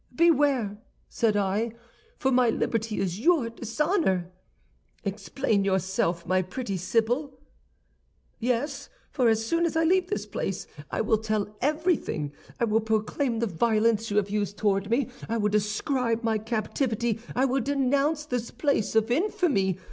"'Beware!' said I, 'for my liberty is your dishonor.' "'Explain yourself, my pretty sibyl!' "'Yes; for as soon as I leave this place I will tell everything. I will proclaim the violence you have used toward me. I will describe my captivity. I will denounce this place of infamy.